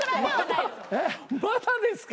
まだですか？